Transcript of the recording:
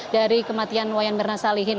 dari kematian wayan mirna salihin